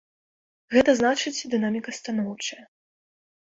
Гэта значыць, дынаміка станоўчая.